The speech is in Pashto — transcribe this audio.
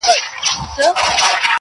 نیکه جانه د هجران لمبو کباب کړم-